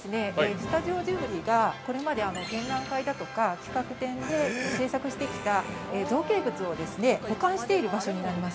スタジオジブリが、これまで展覧会だとか企画展で製作してきた造形物を保管している場所になります。